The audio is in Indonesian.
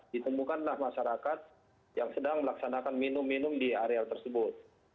ditemukanlah masyarakat yang sedang melaksanakan minum minum di area tersebut